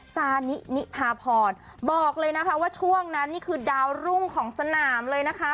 ซานินิพาพรบอกเลยนะคะว่าช่วงนั้นนี่คือดาวรุ่งของสนามเลยนะคะ